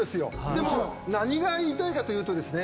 でも何が言いたいかというとですね